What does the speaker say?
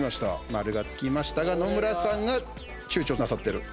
丸がつきましたが、野村さんがちゅうちょなさってる。